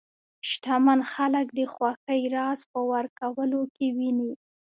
شتمن خلک د خوښۍ راز په ورکولو کې ویني.